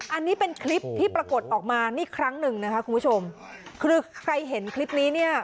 อันนี้เป็นคลิปที่ปรากฏออกมานี่ครั้งหนึ่งนะคะคุณผู้ชมคือใครเห็นคลิปนี้เนี่ย